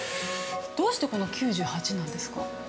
◆どうして９８なんですか。